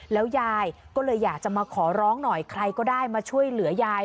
แล้วยายก็เลยอยากจะมาขอร้องหน่อยใครก็ได้มาช่วยเหลือยาย